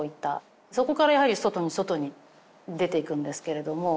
そこからやはり外に外に出て行くんですけれども。